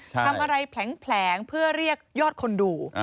ทำอะไรแผลงเพื่อเรียกยอดคนดู